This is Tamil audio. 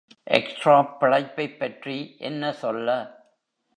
எக்ஸ்ட்ராப் பிழைப்பைப் பற்றி என்ன சொல்ல?